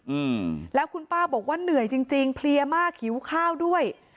อืมแล้วคุณป้าบอกว่าเหนื่อยจริงจริงเพลียมากหิวข้าวด้วย